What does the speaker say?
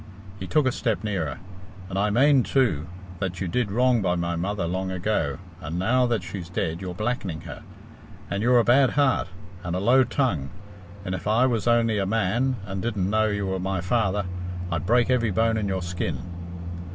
He took a step nearer. "And I mane, too, that you did wrong by my mother long ago, and now that she's dead you're blackening her; and you're a bad heart, and a low tongue, and if I was only a man, and didn't know you were my father, I'd break every bone in your skin."